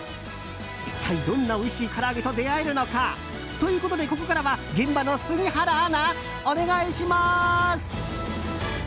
一体、どんなおいしいからあげと出会えるのか。ということでここからは現場の杉原アナお願いします！